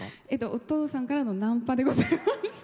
お父さんからのナンパでございます。